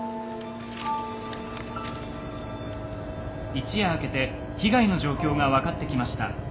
「一夜明けて被害の状況が分かってきました。